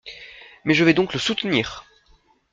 Mais je vais donc le soutenir.